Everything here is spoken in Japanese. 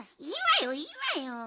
いいわよいいわよ。